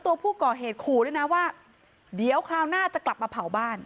ตัวผู้ก่อเหตุขู่ด้วยนะว่าเดี๋ยวคราวหน้าจะกลับมาเผาบ้าน